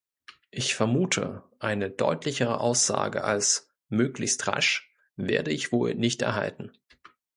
Ich vermute, eine deutlichere Aussage als "möglichst rasch" werde ich wohl nicht erhalten.